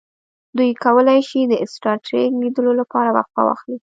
دوی کولی شي د سټار ټریک لیدلو لپاره وقفه واخلي